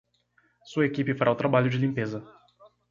Sua equipe fará o trabalho de limpeza.